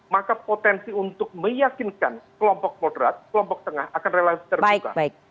maka potensi untuk meyakinkan kelompok moderat kelompok tengah akan relatif terbuka